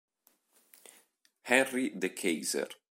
Henri de Keyser